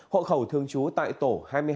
hộ khẩu thường trú tại tổ hai mươi hai